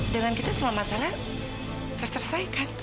dengan gitu semua masalah terselesaikan